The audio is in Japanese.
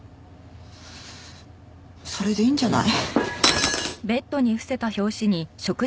それでいいんじゃない？